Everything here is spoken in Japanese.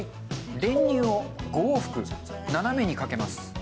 練乳を５往復斜めにかけます。